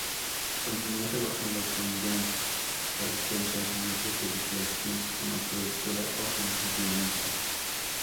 Continuó trabajando con John Carpenter en otras películas, bien como productora o como guionista.